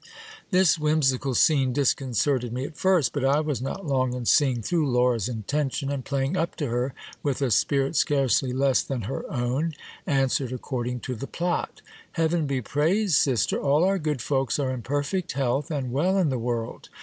This whimsical scene disconcerted me at first ; but I was not long in seeing through Laura's intention ; and playing up to her with a spirit scarcely less than her own, answered according to the plot : Heaven be praised, sister, all our good folks are in perfect health, and well in the world.